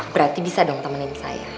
berarti bisa dong temenin saya